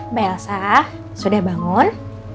mbak elsa sudah bangun